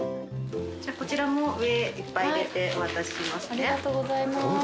じゃあこちらも上いっぱい入れてお渡ししますね。